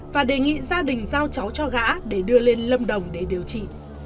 và đề nghị gia đình giao cháu cho gã để đưa lên lâm đồng để điều trị